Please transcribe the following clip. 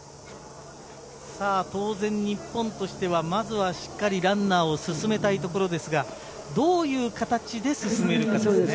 当然、日本としてはまずはランナーをしっかり進めたいところですがどういう形で進めるかですね。